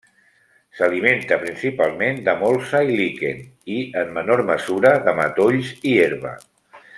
S'alimenta principalment de molsa i liquen i, en menor mesura, de matolls i herba.